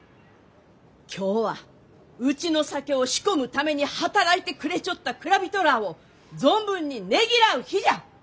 今日はうちの酒を仕込むために働いてくれちょった蔵人らあを存分にねぎらう日じゃ！